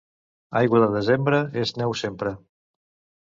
Aigua de desembre és neu sempre.